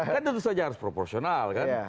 kan tentu saja harus proporsional kan